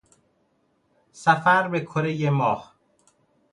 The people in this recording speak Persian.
سفر به کرهی ماه